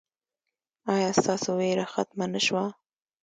ایا ستاسو ویره ختمه نه شوه؟